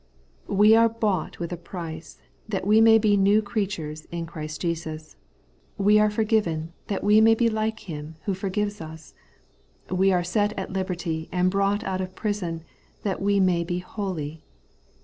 We are bought with a price, that we may be new creatures in Christ Jesus. We are forgiven, that we may be like Him who forgives us. We are set at liberty and brought out of prison, that we may be holy.